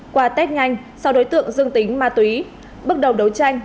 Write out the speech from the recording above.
qua test nhanh sau đối tượng dương tính ma túy bước đầu đấu tranh